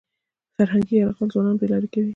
فرهنګي یرغل ځوانان بې لارې کوي.